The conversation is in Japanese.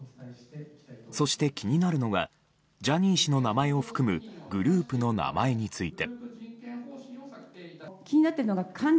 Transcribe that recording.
そして気になるのはジャニー氏の名前を含むグループの名前について。